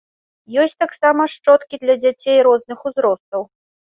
Ёсць таксама шчоткі для дзяцей розных узростаў.